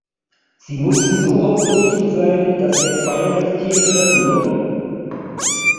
Sie mussten so ausgerichtet sein, dass der Pfeil das Tier treffen würde.